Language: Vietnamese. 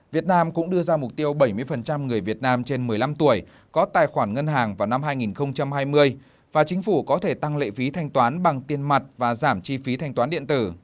việt nam cũng đưa ra mục tiêu bảy mươi người việt nam trên một mươi năm tuổi có tài khoản ngân hàng vào năm hai nghìn hai mươi và chính phủ có thể tăng lệ phí thanh toán bằng tiền mặt và giảm chi phí thanh toán điện tử